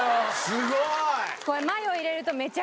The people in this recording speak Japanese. すごーい！